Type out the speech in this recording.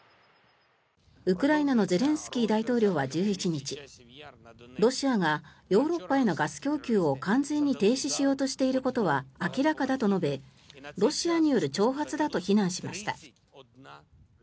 ウクライナのゼレンスキー大統領は１１日ロシアがヨーロッパへのガス供給を完全に停止しようとしていることは明らかだと述べロシアによる挑発だと非難しました。